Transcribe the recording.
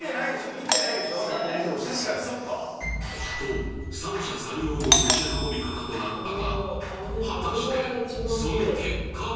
見てないでしょと三者三様の持ち運び方となったが果たしてその結果は？